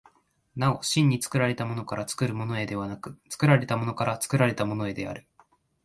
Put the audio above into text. なお真に作られたものから作るものへではなくて、作られたものから作られたものへである。